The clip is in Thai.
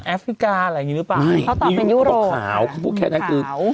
ฟริกาอะไรอย่างงี้หรือเปล่าใช่เขาตอบเป็นยุโรปขาวเขาพูดแค่นั้นคือเขา